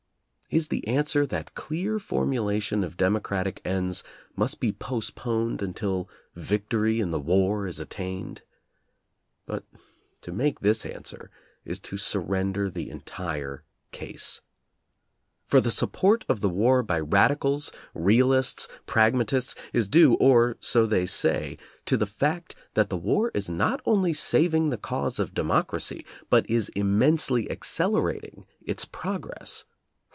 Is the answer that clear formulation of demo cratic ends must be postponed until victory in the war is attained? But to make this answer is to surrender the entire case. For the support of the war by radicals, realists, pragmatists, is due — or so they say — to the fact that the war is not only saving the cause of democracy, but is immensely accelerating its progress.